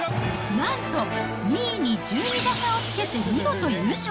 なんと、２位に１２打差をつけて見事優勝。